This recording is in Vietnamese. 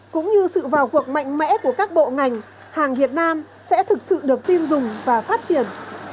cũng như sự vào cuộc mạnh mẽ của các bộ ngành hàng việt nam sẽ thực sự được tin dùng và phát triển